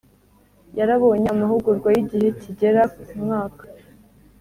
yarabonye amahugurwa y igihe kigera ku mwaka